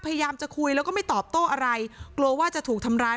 พยายามจะคุยแล้วก็ไม่ตอบโต้อะไรกลัวว่าจะถูกทำร้าย